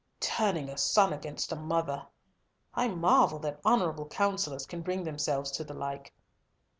"Turning a son against a mother! I marvel that honourable counsellors can bring themselves to the like."